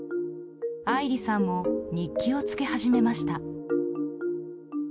愛莉さんも日記をつけ始めました。